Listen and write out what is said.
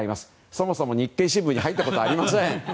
そもそも日経新聞に入ったことはありません。